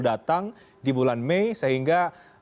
datang di bulan mei sehingga